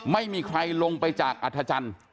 ไม่มีใครลงไปจากอัฐชัน